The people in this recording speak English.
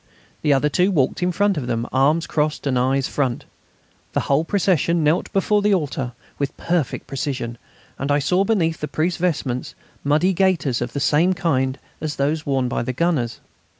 The other two walked in front of them, arms crossed and eyes front. The whole procession knelt before the altar with perfect precision, and I saw beneath the priest's vestments muddy gaiters of the same kind as those worn by the gunners.